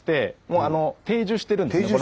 もう定住してるんですね